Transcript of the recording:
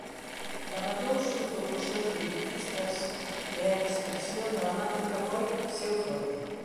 Traballou xunto cos seus libretistas e a expresión dramática foi seu forte.